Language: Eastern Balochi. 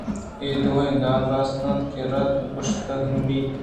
اِے دوئیں گال راست اَنت۔ رَد گْوشگ نہ بنت۔